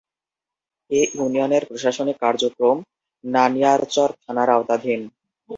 এ ইউনিয়নের প্রশাসনিক কার্যক্রম নানিয়ারচর থানার আওতাধীন।